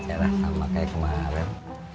cara sama kayak kemarin